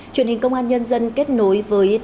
truyền hình công an nhân dân kết nối với đại tá